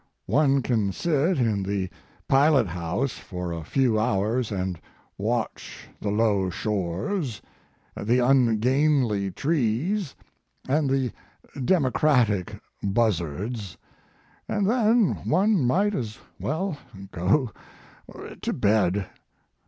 One can sit in the pilot house for a few hours and watch the low shores, the ungainly trees and the democratic buzzards, and then one might as well go to bed.